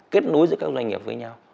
kết nối giữa các doanh nghiệp với nhau